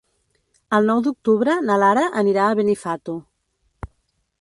El nou d'octubre na Lara anirà a Benifato.